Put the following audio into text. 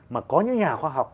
mà có những nhà khoa học